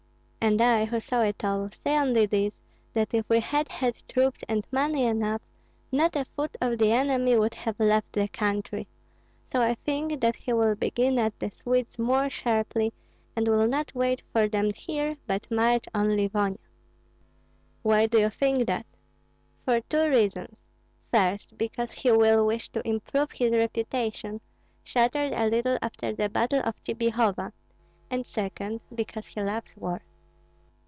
And I who saw it all, say only this, that if we had had troops and money enough, not a foot of the enemy would have left the country. So I think that he will begin at the Swedes more sharply, and will not wait for them here, but march on Livonia." "Why do you think that?" "For two reasons, first, because he will wish to improve his reputation, shattered a little after the battle of Tsybihova; and second, because he loves war."